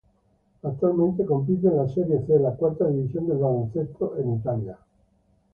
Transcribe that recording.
Actualmente compite en la Serie C, la cuarta división del baloncesto en Italia.